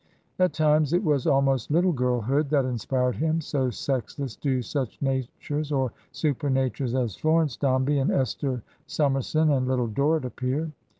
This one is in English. At times it was almost lUtle girlhood that inspired him, so sexless do such natures, or supematures, as Florence Dombey and Esther Summerson and Little Dorrit appear.